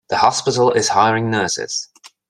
The hospital is hiring nurses.